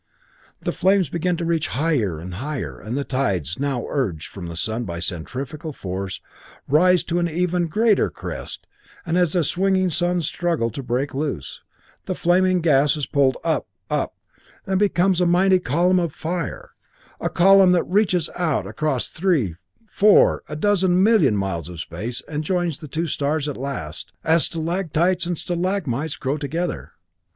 The flames begin to reach higher and higher, and the tides, now urged from the sun by centrifugal force, rise into an ever greater crest, and as the swinging suns struggle to break loose, the flaming gas is pulled up and up, and becomes a mighty column of fire, a column that reaches out across three four a dozen millions of miles of space and joins the two stars at last, as stalactites and stalagmites grow together.